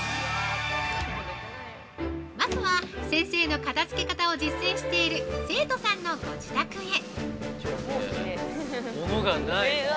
まずは先生の片づけ方を実践している生徒さんのご自宅へ。